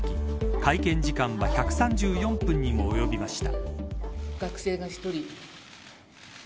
会見時間は１３４分にも及びました。